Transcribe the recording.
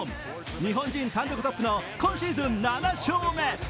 日本人単独トップの今シーズン７勝目。